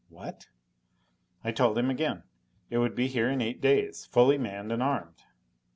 "What!" I told him again. It would be here in eight days. Fully manned and armed.